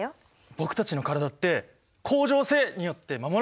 僕たちの体って恒常性によって守られてたんですね。